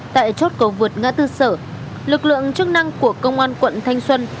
tại chốt cầu vượt ngã tư sở lực lượng chức năng của công an quận thanh xuân